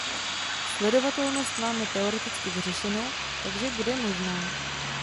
Sledovatelnost máme teoreticky vyřešenou, takže bude možná.